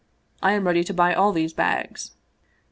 I am ready to buy all these bags."